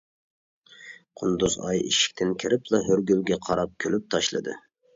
قۇندۇزئاي ئىشىكتىن كىرىپلا ھۆرىگۈلگە قاراپ كۈلۈپ تاشلىدى.